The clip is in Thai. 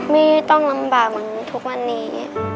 ไม่ต้องลำบากเหมือนทุกวันนี้